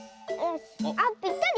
あっぴったり。